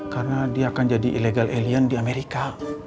karena dia akan jadi illegal alien di amerika